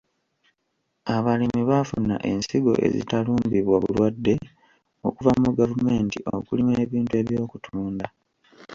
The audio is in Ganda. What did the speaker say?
Abalimi baafuna ensigo ezitalumbibwa bulwadde okuva mu gavumenti okulima ebintu eby'okutunda.